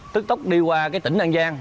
tức tốc đi qua tỉnh an giang